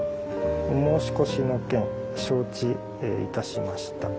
「お申し越しの件承知いたしました」。